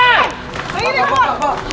bapak bapak bapak